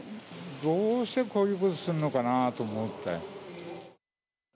どうして、こういうことすんのかなと思って。